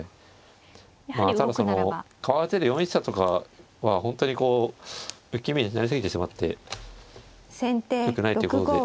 まあただそのかわる手で４一飛車とかは本当にこう受け身になり過ぎてしまってよくないっていうことで。